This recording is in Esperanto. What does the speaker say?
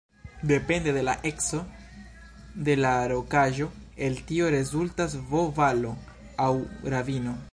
Depende de la eco de la rokaĵo el tio rezultas V-valo aŭ ravino.